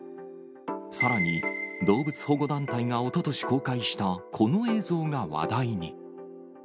さらに、動物保護団体がおととし公開した、この映像が話題に。